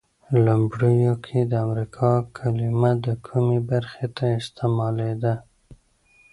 لومړیو کې د امریکا کلمه د کومې برخې ته استعمالیده؟